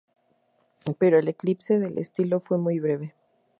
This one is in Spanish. Pero el eclipse del estilo fue muy breve.